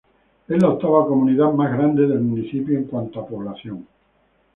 Es la octava comunidad más grande del municipio en cuanto a población.